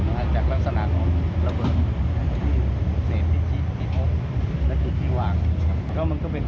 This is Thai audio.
อุปกรณ์หลังจากลักษณะของระเบิด